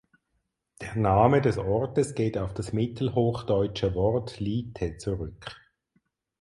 Der Name des Ortes geht auf das mittelhochdeutsche Wort "lite" zurück.